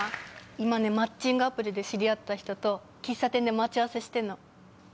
今ねマッチングアプリで知り合った人と喫茶店で待ち合わせしてんの。